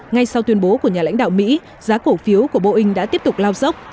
ngay sau tuyên bố của nhà lãnh đạo mỹ giá cổ phiếu của boeing đã tiếp tục lao dốc